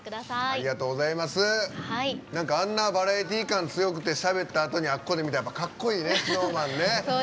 あんなバラエティー感強くてしゃべったあとにあそこで見たらやっぱりかっこいいね。